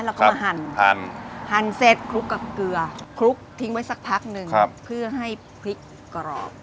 แล้วก็มาหั่นเสร็จคลุกกับเกลือคลุกทิ้งไว้สักพักหนึ่งเพื่อให้พริกกรอบ